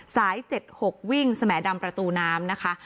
๗๖วิ่งสมดำประตูน้ำนะคะ